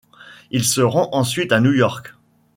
Il se rend ensuite à New York.